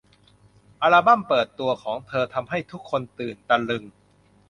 อัลบัมเปิดตัวของเธอทำให้ทุกคนตื่นตะลึง